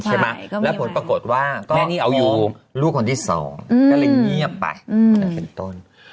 ใช่ไหมแล้วผลปรากฏว่าแม่นี่เอาอยู่ลูกคนที่๒ก็เลยเงียบไปเป็นต้น